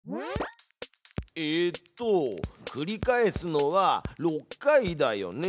えっと繰り返すのは６回だよね。